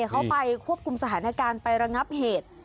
เขาไปควบคุมสถานการณ์ไประงับเหตุ